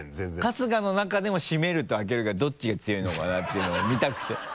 春日の中でも「閉める」と「開ける」がどっちが強いのかなっていうのが見たくて。